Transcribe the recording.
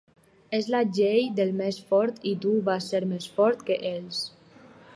És la llei del més fort i tu vas ser més fort que ells.